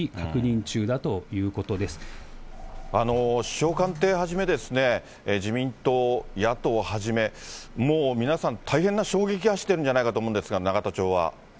首相官邸はじめ、自民党、野党をはじめ、もう皆さん、大変な衝撃が走ってるんじゃないかとそうですね。